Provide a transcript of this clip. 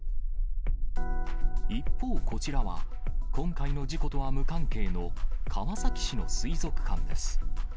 一方、こちらは今回の事故とは無関係の川崎市の水族館です。